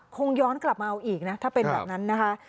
คงย้อนกลับมาเอาอีกนะถ้าเป็นแบบนั้นนะคะ